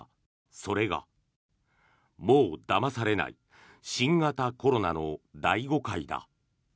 それが「もうだまされない新型コロナの大誤解」だ。